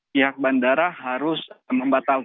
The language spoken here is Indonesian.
pihak bandara yang terdiri dari otoritas bandara